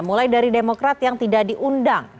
mulai dari demokrat yang tidak diundang